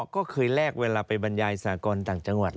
ก็เคยแลกเวลาไปบรรยายสากรต่างจังหวัด